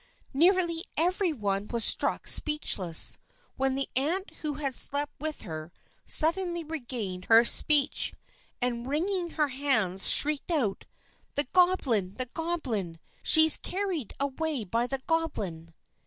Nearly every one was struck speechless, when the aunt who had slept with her, suddenly regained her speech, and wringing her hands, shrieked out, "The goblin! the goblin! She's carried away by the goblin!"